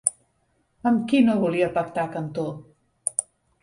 Amb qui no volia pactar Cantó?